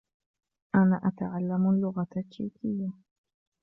أنا أتعلم اللغة التشيكية.